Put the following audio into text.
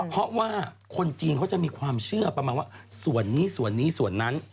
เพราะว่าคนจีนเขาจะมีความเชื่อประมาณว่าส่วนนี้ส่วนนี้ส่วนนั้น